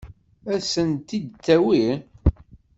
Ad sent-t-id-tawi?